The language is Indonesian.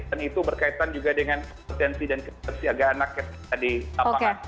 dan itu berkaitan juga dengan potensi dan kesiapsiagaan anak yang ada di lapangan